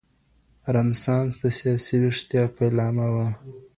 رنسانس د سياسي ويښتيا پيلامه وه.